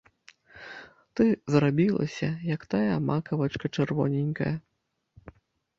Ты зрабілася, як тая макавачка чырвоненькая!